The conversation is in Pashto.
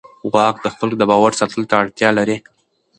واک د خلکو د باور ساتلو ته اړتیا لري.